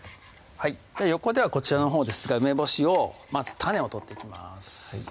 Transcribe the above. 横ではこちらのほうですが梅干しをまず種を取っていきます